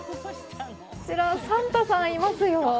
こちら、サンタさんいますよ。